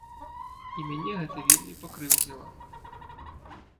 І мяне гэта вельмі пакрыўдзіла.